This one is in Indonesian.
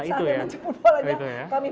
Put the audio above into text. sampai menjemput bolanya